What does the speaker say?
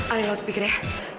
alia lo terpikir ya